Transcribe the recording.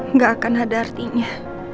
nggak akan ada artinya